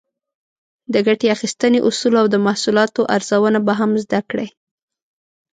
د ګټې اخیستنې اصول او د محصولاتو ارزونه به هم زده کړئ.